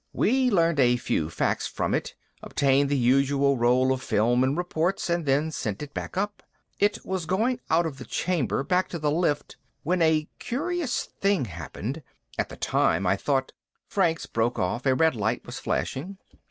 We learned a few facts from it, obtained the usual roll of film and reports, and then sent it back up. It was going out of the chamber, back to the lift, when a curious thing happened. At the time, I thought " Franks broke off. A red light was flashing.